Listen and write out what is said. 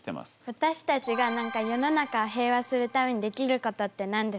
私たちが世の中平和にするためにできることって何ですか？